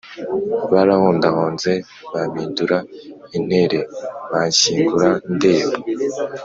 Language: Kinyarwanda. Barahondahonze Bampindura intere Banshyingura ndeba